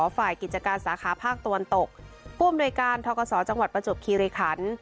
ฝ่ายกิจการสาขาภาคตวนตกผู้มนวยการท้องกษอจังหวัดประจุบคีรีขันต์